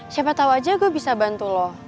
siapa tau aja gue bisa bantu lo